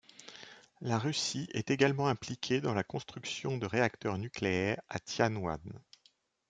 La Russie est également impliquée dans la construction de réacteurs nucléaires à Tianwan.